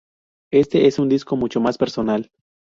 Este es un disco mucho más personal.